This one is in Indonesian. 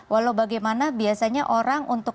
walaubagaimana biasanya orang untuk